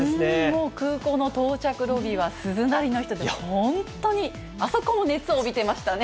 もう空港の到着ロビーは鈴なりの人で、本当にあそこも熱を帯びていましたね。